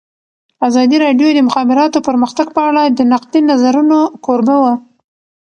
ازادي راډیو د د مخابراتو پرمختګ په اړه د نقدي نظرونو کوربه وه.